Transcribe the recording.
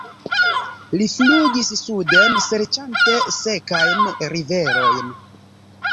Li flugis suden serĉante sekajn riverojn.